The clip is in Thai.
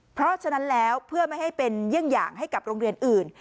เพราะฉะนั้นแล้วเพื่อไม่ให้เป็นเยี่ยงอย่างให้กับโรงเรียนอื่น